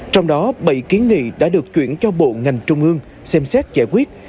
trong đó bảy kiến nghị đã được chuyển cho bộ ngành trung ương xem xét giải quyết